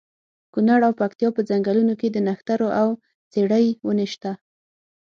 کونړ او پکتیا په ځنګلونو کې د نښترو او څېړۍ ونې شته.